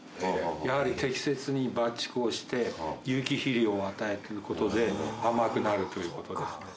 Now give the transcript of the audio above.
やはり適切に伐竹をして有機肥料を与えてることで甘くなるということですね。